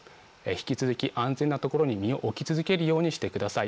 引き続き、安全なところに身を置き続けるようにしてください。